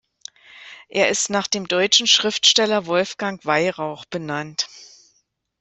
Er ist nach dem deutschen Schriftsteller Wolfgang Weyrauch benannt.